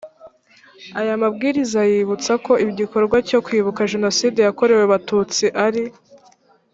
aya mabwiriza yibutsa ko igikorwa cyo kwibuka jenoside yakorewe abatutsi ari